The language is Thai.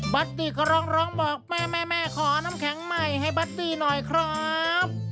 ตี้ก็ร้องบอกแม่แม่ขอน้ำแข็งใหม่ให้บัตตี้หน่อยครับ